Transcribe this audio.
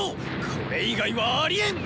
これ以外はありえん！